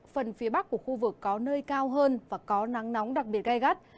phần phía bắc của khu vực có nơi cao hơn và có nắng nóng đặc biệt gai gắt